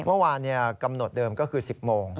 เมื่อวานกำหนดเดิมก็คือ๑๐โมง